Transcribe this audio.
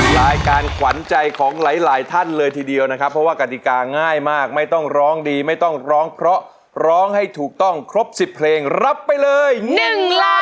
รายการขวัญใจของหลายหลายท่านเลยทีเดียวนะครับเพราะว่ากฎิกาง่ายมากไม่ต้องร้องดีไม่ต้องร้องเพราะร้องให้ถูกต้องครบ๑๐เพลงรับไปเลย๑ล้าน